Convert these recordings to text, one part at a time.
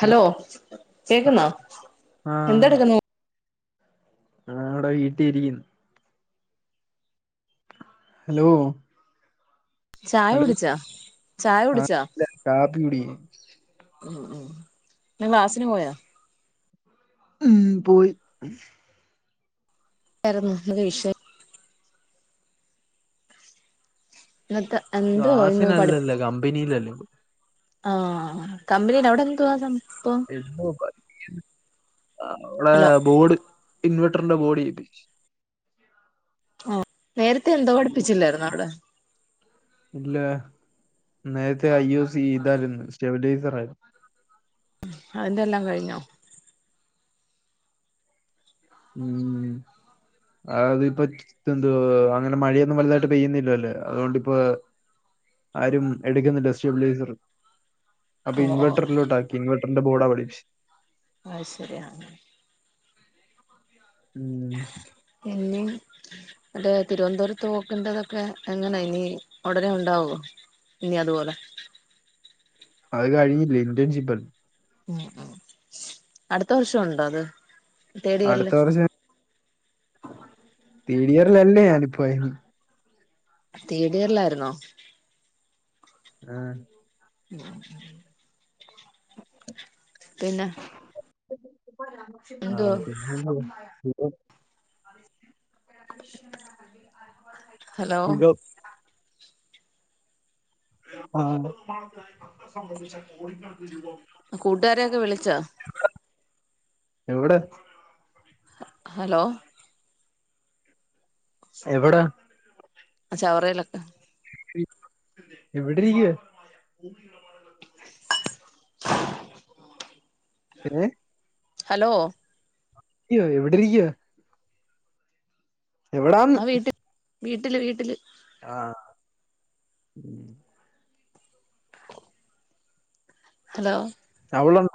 Hello കേക്കുന്നോ എന്തടുക്കുന്നു ആ അവിടെ വീട്ടില് ഇരിക്കുന്നു ഹലോ ചായ ഹലോ കുടിച്ചാ ചായ കുടി ഇല്ല കാപ്പി കുടി ഇന്ന് ക്ലാസ്സിന് പോയോ ഉം പോയി ആരുന്നു വിഷയം ഇന്നത്തെ എന്തോ ക്ലാസ്സിനല്ലല്ലോ കമ്പനിയിലല്ലേ ആ കമ്പനിൽ അവിടെ എന്തുവാ സംഭവം [unintelligible] അവിടെ ഹലോ ബോർഡ് ഇൻവെർട്ടറിന്റെ ബോഡിപ്പു ആ നേരത്തെ എന്തോ പഠിപ്പിച്ചില്ലായിരരുന്നു അവിടെ ഇല്ല നേരത്തെ ഐ ഉ സി ഇതായിരുന്നു സ്റ്റെവിലൈസർ ആയിരുന്നു അതിന്റെ എല്ലാം കഴിഞ്ഞോ ഉം അതിപ്പ എന്തോ അങ്ങനെ മഴയൊന്നും വലുതായിട്ട് പെയ്യുന്നില്ല അല്ലേ അതുകൊണ്ട്ിപ്പ ആരും എടുക്കുന്നില്ല സ്റ്റെബിലൈസർ അപ്പൊ ഓ ഓ ഇൻവർറിലോട്ടാക്കി ഇൻവർറിന്റെ ബോഡാ അവരു അ ശരിയ അ ഉം പിന്നെ അല്ലേ തിരുവനന്തപുരത്ത് പോക്കേണ്ടതൊക്കെ എങ്ങനാ ഇനി ഉടനെ ഉണ്ടാവോ ഇനി അതുപോലെ അത് കഴിഞ്ഞില്ല ഇന്ത്യൻഷിപ്പ ഉം ഉ അടുത്ത വർഷം ഉണ്ടോ അത് തേർഡ് അടുത്ത ഇയറില് വർഷം തീഡിയറൽല്ലേ ഞാനിപ്പോരുന്നു തേടിറലായിരുന്നോ ആ ഉ പിന്നെ ആ എന്തുവാ ഹലോ ഓ ഗോ ആ കൂട്ടുകാരെയൊക്കെ വിളിച്ചോ [inaudible] എവ്ടെ ഹലോ എവിടാ ഞാ ചവറയിലാ എവിടെ ഇയ്യ് ഏ ഹലോ യോ എവിടെരിക്കയാ ആ എവിടാന്ന് വീട്ടി വീട്ടില് വീട്ടില്. ആഹ് ഹലോ അവളുണ്ടോ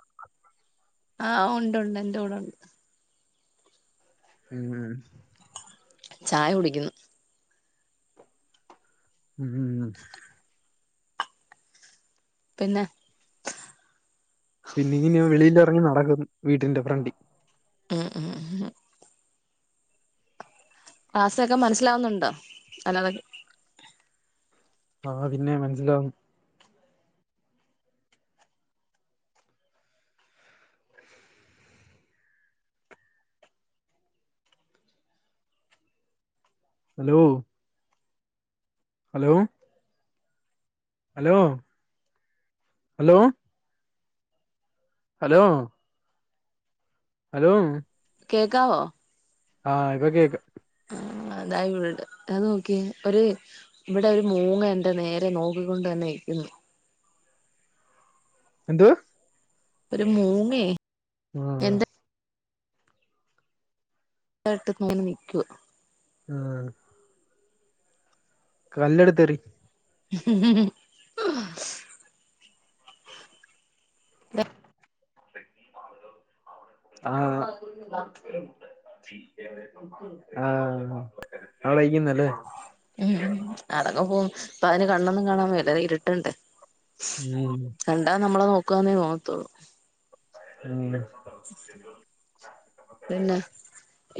ആ ഉണ്ട് ഉണ്ട് എന്റെ കൂടെ ഒണ്ട്. ഉം ചായ കുടിക്കുന്നു. ഉ ഊ പിന്നെ പിന്നെ ഇങ്ങനെയാ വിളിയില്ല. ഇങ്ങിനെ നടക്കുന്നു വീട്ടിന്റെ ഫ്രണ്ടി. ഉ ഉ ഹു ക്ലാസൊക്കെ മനസ്സിലാവുന്നുണ്ടോ? അല്ലാതെ ങ്ങ് ആ പിന്നെ മനസ്സിലാകും. Hello hello hello hello hello hello കേൾക്കാവോ ആ ഇപ്പോ കേക്കാ. ആ അതായി ഇവിട. അത് നോക്കിയേ ഒരു ഇവിടെ ഒരു മൂങ്ങ എന്റെ നേരെ നോക്കിക്കൊണ്ട് തന്നെ ഇരിക്കുന്നു. എന്ത് ഒരു മൂങ്ങേ ആ എന്റെ ഇത്ര അടുത്ത് മൂങ്ങ ങ്ങനെ നിക്കു ആ കല്ലെടുത്തെറി ആ ആ അവളയിക്കുന്ന ഉം അതൊക്കെ പോകും അപ്പൊ അതിന് കണ്ണൊന്നും കാണാൻ മേല്ല ഇരുട്ടുണ്ട് ഉം കണ്ടാ നമ്മളെ നോക്കും ദക്കാന വത്ത [inaudible] ആ പിന്നെ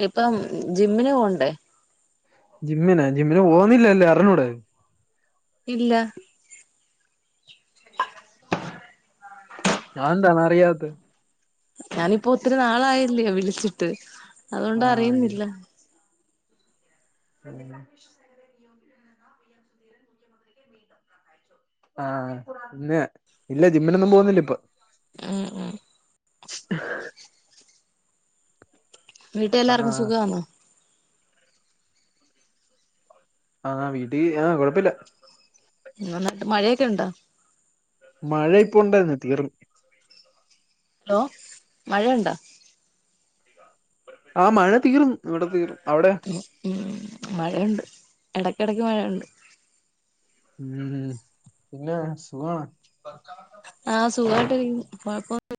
ഇപ്പം ജിമ്മിന് പോണ് ഏ ജിമ്മിന ജിമ്മിന് പോകുന്നില്ലല്ലോ അറിഞ്ഞൂടെ ഇല്ല [inaudible] അതെന്താണറിയാത്ത് ഞാനിപ്പോ ഒത്തിരി നാളായില്ലോ വിളിച്ചിട്ട് അതുകൊണ്ട് ആഹ് അറിയുന്നില്ല അതല്ല [unintelligible] ആഹ ഇന്ന് ഇല്ല ജിമ്മിനൊന്നും പോകുന്നില്ല ഇപ്പൊ ഉം ഉം വീട്ടി എല്ലാർക്കും ആഹ് സുഖവാന്നോ? ആഹ് വീട്ടി ആഹ് കൊഴപ്പില്ല. നിങ്ങടെ നാട്ടി മഴയൊക്കെയൊണ്ടോ? മഴ ഇപ്പ ഉണ്ടായിരുന്ന് തീർന്നു. ഹലോ മഴണ്ടോ? ആ മഴ തീർന്നു, ഇവിടെ തീർന്നു. അവിടെ [inaudible] മഴണ്ട് എടക്കെടക്ക് മഴയൊണ്ട്. ഉം പിന്നെ സുഖാണ്. ആ സുഖായിട്ടിരിക്കുന്നു കൊഴപ്പൊന്നുല്ല.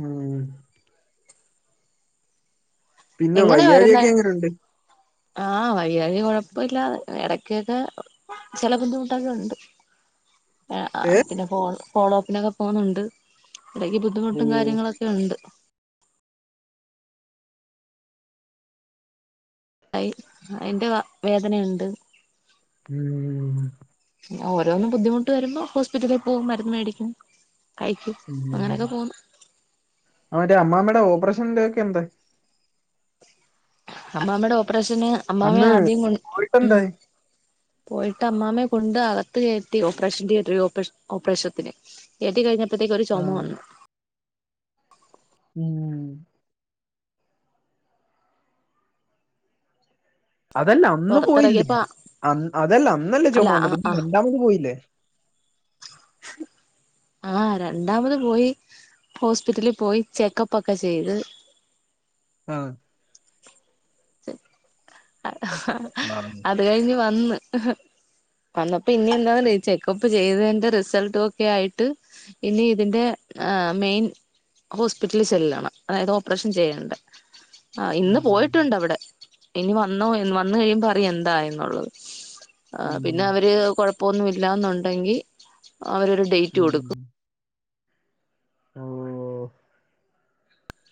ഉം. പിന്നെ എങ്ങനെയാ വരുന്നേ വയ്യാഴിയൊക്കെ എങ്ങനുണ്ട്? ആഹ് വയ്യാഴിക കുഴപ്പുല്ല എടക്കൊക്കെ ചെല ബുദ്ധിമുട്ടൊക്കെ ഉണ്ട് ആഹ് ആഹ് ഏഹ് പിന്നെ പോ ഫോളോപ്പിനൊക്കെ പോകുന്നുണ്ട്. എടക്ക് ബുദ്ധിമുട്ടും ഓഹ് കാര്യങ്ങളൊക്കെ ഉണ്ട്. കൈ അതിന്റെ അ വേദനയുണ്ട്. ഉം ഓരോന്ന് ബുദ്ധിമുട്ടുവരുമ്പോ ഹോസ്പിറ്റലിൽ പോകും മരുന്ന് മേടിക്കും. കഴിക്കും ഉം അങ്ങനെയൊക്കെ പോന്നു അവിടെ അമ്മാമ്മേടെ ഓപ്പറേഷ [unintelligible] അമ്മാമ്മേടെ പ്രശ്നം അമ്മാമേ അന്ന് ആദ്യം കൊണ്ട് ഉം പോയിട്ടെന്തായി പോയിട്ട് അമ്മാമ്മേ കൊണ്ടെ അകത്ത് കയറ്റി ഓപ്പറേഷൻ തീയേറ്ററില് ഓപ്പറേഷ ഓപ്പറേഷത്തിന് കേറ്റിക്കഴിഞ്ഞ പ്പത്തേക്കൊരു ചൊമ ആഹ് വന്നു. ഉം അതല്ല അന്ന് പോയില്ലേ പുറത്തിറങ്ങിയപ്പോ അന്ന് അതല്ല അന്നല്ലേ അല്ല ചൊമ വന്നെ ആഹ് പിന്നെ ആഹ് രണ്ടാമത് പോയില്ലേ ആഹ് രണ്ടാമത് പോയി ഹോസ്പിറ്റലിൽ പോയി ചെക്കപ്പൊക്കെ ചെയ്ത് ആ ആ. [unintelligible] അത് കഴിഞ്ഞ് വന്നപ്പോ ഇനി എന്താ ചെക്കപ്പ് ചെയ്തതിന്റെ റിസൾട്ട ഒക്കെ ആയിട്ട് ഇനി ഇതിന്റെ മെയിൻ ഹോസ്പിറ്റലിൽ ചെല്ലണം അതായത് ഓപ്പറേഷൻ ചെയ്യണ്ട ആഹ് ഇന്ന് ഉം, പോയിട്ട് ഇനി വന്നോ വന്ന് കഴിയുമ്പ അറിയാം എന്താ എന്നുള്ളത് ആന്ന് പിന്നെ ഉം, അവര് കൊയപ്പ ഇപ്പൊ ഒന്നുല്ല എന്നുണ്ടെങ്കിൽ അവരൊരു ഡേറ്റ് ഉം. കൊടുക്കും ഓ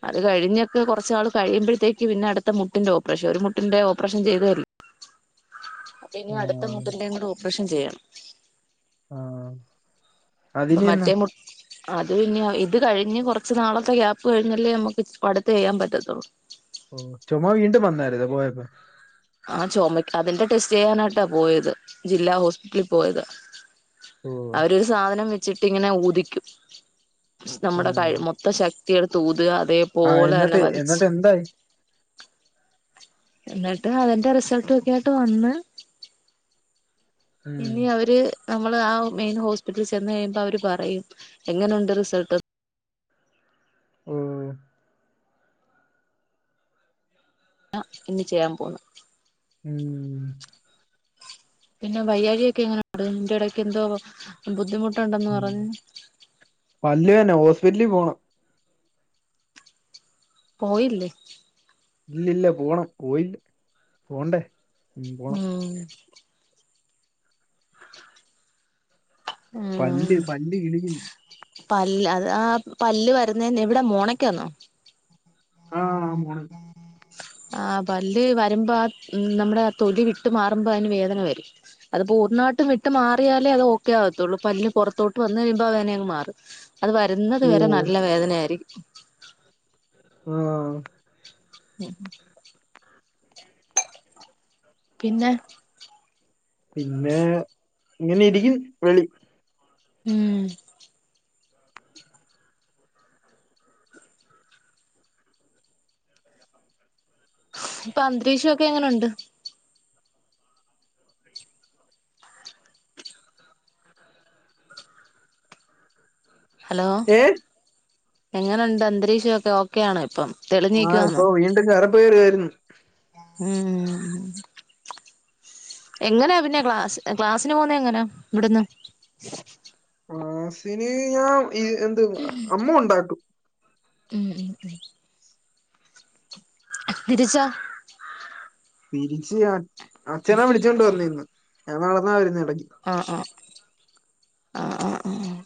അത് കഴിഞ്ഞൊക്കെ കുറചച്ചാള് കഴിയുമ്പോഴത്തേക്ക് പിന്നെ അടുത്ത മുട്ടിന്റെ ഓപ്പറേഷൻ ഒരു മുട്ടിന്റെ ഓപ്പറേഷൻ ചെയ്തല്ലോ അനി ആ, അടുത്ത മുട്ടിന്റെ കൂടെ ഓപ്പറേഷൻ ചെയ്യണം ആഹ് അപ്പ മറ്റേ മുട്ട് അത് പിന്നെ ഇത് കഴിഞ്ഞ് കുറച്ച നാളത്തെ ഗ്യാപ്പ് കഴിഞ്ഞല്ലേ നമുക്ക് അടുത്ത് ചെയ്യാൻ പറ്റത്തുള്ളൂ ഓ ചുമ്മാ വീണ്ടും വന്നരുന്നോ പോയക്പ്പോ ആ ചുമക്ക്‌ അതിന്റെ ടെസ്റ്റ് ചെയ്യാനായിട്ടാ പോയത് ജില്ലാ ഹോസ്പിറ്റലിൽ പോയത് ഓ അവരുഒരു സാധനം വിച്ച് ച്ചിട്ടിങ്ങനെ ഊദിക്കും നമ്മുടെ കൈ മൊത്ത ശക്തി ത്തിയെടുത്ത് ഉതുക ആഹ എന്നിട്ട് എന്നിട്ട് എന്തായി എന്നിട്ട് അതിന്റെ റിസൾട്ട് ഒക്കൊയിട്ട് വന്ന് ഉം, ഇനി അവര്- നമ്മള് ആ മെയിൻ ഹോസ്പിറ്റലിൽ ചെന്ന് കഴിയുമ്പോ അവര് പറയും എങ്ങനെയുണ്ട് റിസൾട്ട് ഓ ആ ഇനി ചെയ്യാൻ പോന്നു ഉം പിന്നെ വയ്യായികെക്കെ എങ്ങനെ ഉണ്ട് ഇതിന്റെ ഇടക്കക്ക് എന്തോ ബുദ്ധിമുട്ട് പല്ല് വേദന ഹോസ്- വല്ലി പോണം പോയില്ലേ ഇല്ലല്ല പോണം പോയില് പോണ്ടേ ഉം ഉം പണ്ട് പണ്ട് കിളിഞ്ഞ് പല്ല് അത് ആ പല്ല് വരുന്നെ ന്ന് എവിടെ മോണക്ക് വന്നോ ആഹ് ആ മോണക്ക്‌ ആഹ് പല്ല് വരുമ്പോ ആ നമ്മടെആ തൊലി വിട്ട് മാറുമ്പോ അയ്ന് വേദന വരും അതിപ്പോ പൂർണ്ണാട്ടും വിട്ട് മാറിയാലേ അത് ഓക്കെ ആവ ത്തൊള്ളൂ പല്ല് പൊറത്തോട്ട് വന്ന് കഴിയുമ്പോ അതന്നെ അങ്ങ് മാറും അത് വരുന്നത് ഓ വരെ നല്ല വേദന ആയിരിക്കും ആഹ് ഉം പിന്നെ പിന്നെ ഇങ്ങനെ ഇരിക്ക് വെളി ഉം ഇപ്പൊ അന്തരീക്ഷക്കെങ്ങനെ ഉണ്ട് ഹലോ ഏ എങ്ങനുണ്ട് അന്തരീക്ഷൊയൊക്കെ ഓക്കെയാണോ ഇപ്പം ആഹ് ഇപ്പോ വീണ്ടും കറ പേര്‌ വേരു ഹം എങ്ങനെയാ പിന്നെ ക്ലാസ് ക്ലാസിന് പോവുന്ന എങ്ങനാ ഇവിടുന്ന് മാസിന് ഞാ ഈ എന്ത് അമ്മു ഉണ്ടാക്കും ഉം ഉം ഉം തിരിച്ചോ തിരിച്ച് അ അഛനാ വിളിച്ചോണ്ട് വന്നിന്ന് ഞാൻ നടന്നാ വരുന്നെ ആഹ് ആഹ് ആഹ് ആഹ് ആഹ് ആഹ്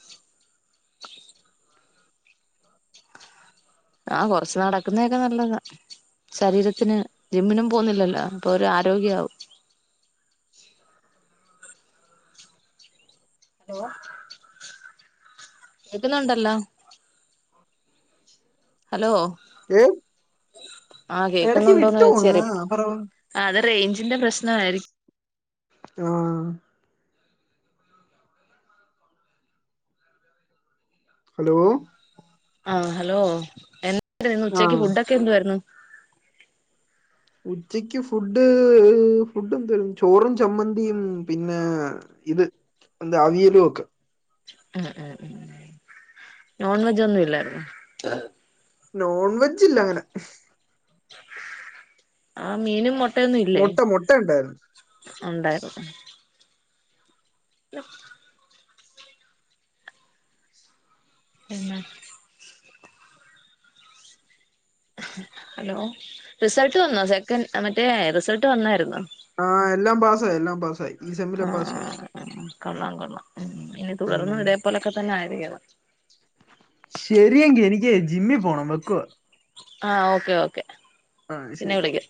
ആഹ് കൊറച്ചു നടക്കുന്നതൊക്കെ നല്ലതാ ശരീരത്തിന് ജിമ്മിനും പോവുന്നില്ലല്ലോ അപ്പൊ ഒരു ആരോഗ്യാവും ഹലോ കേൾക്കുന്നുണ്ടല്ലോ [inaudible] ഹലോ ഏ ആഹ് ഇടക്ക് കേക്കുന്നുണ്ടോന്ന് വിട്ടു പോന്ന് ചോയ്ച്ചേര് ആ പറ അത് റേയ്ഞ്ചിന്റെ പ്രസ് നായിരിക്കും ആഹ് ഹലോ ആ ഹലോ എ [unintelligible] ഇന്ന് ആ ഉച്ചക്ക് ഫുഡൊക്കെ എന്ത്വായിരുന്നു ഉച്ചക്ക് ഫുഡ് ഫുഡ് എന്തേരു ചോറും ചമ്മന്തിയും പിന്നെ ഇത് എന്താ അവിയലൊക്കെ ഉം ഉം ഉം നോൺ വെജൊന്നും ഇല്ലായിരുന്നോ നോൺവെജില്ല ങ്ങനെ ആ മീനും മൊ മുട്ട മുട്ട ണ്ടായിരുന്നു ഉണ്ടായിരുന്ന് [unintelligible] പിന്നെ ഹലോ റിസൾട്ട് വന്നോ സെക്കൻഡ് മറ്റേ റിസൾട്ട് വന്നായിരുന്നോ ആ എല്ലാം പാസായി എല്ലാം പാസായി ഈ സ ആഹ് ആഹ് കൊള്ളാം കൊള്ളാം ഉം ഇനി തുടർന്നും ഇതേപോലെക്കെ തന്നെ ആയി തേയോ ശെരിയെങ്കി എനിക്കേ ജിമ്മി പോണം വെക്കുവാ ആ ഓക്കെ ഓക്കെ ആ പിന്നെ ശെരി വിളിക്കാം ശെരി